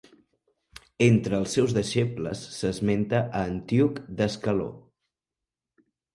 Entre els seus deixebles s'esmenta a Antíoc d'Ascaló.